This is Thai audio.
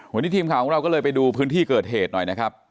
วันนี้ทีมข่าวของเราก็เลยไปดูพื้นที่เกิดเหตุหน่อยนะครับ